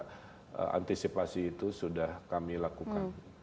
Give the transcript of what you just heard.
jadi proses dan logika antisipasi itu sudah kami lakukan